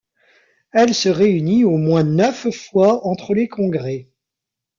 Elle se réunit aux moins neuf fois entre les congrès.